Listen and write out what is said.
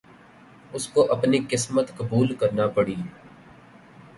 اس کو اپنی قسمت قبول کرنا پڑی۔